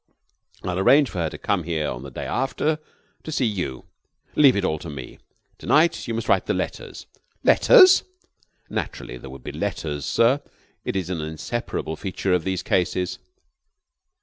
I'll arrange for her to come here the day after to see you. Leave it all to me. To night you must write the letters." "Letters?" "Naturally, there would be letters, sir. It is an inseparable feature of these cases."